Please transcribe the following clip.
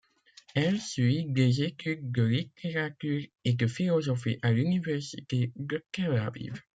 Elle suit des études de littérature et de philosophie à l'université de Tel Aviv.